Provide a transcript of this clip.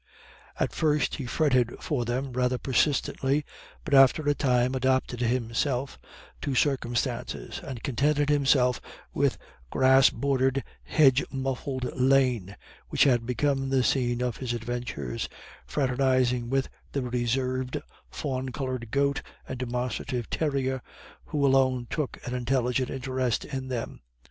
At first he fretted for them rather persistently, but after a time adapted himself to circumstances, and contented himself with the grass bordered, hedge muffled lane, which had become the scene of his adventures, fraternizing with the reserved fawn coloured goat and demonstrative terrier, who alone took an intelligent interest in them.